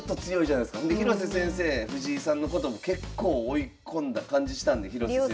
広瀬先生藤井さんのことも結構追い込んだ感じしたんで。